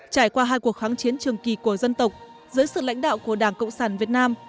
trải qua hai cuộc kháng chiến trường kỳ của dân tộc dưới sự lãnh đạo của đảng cộng sản việt nam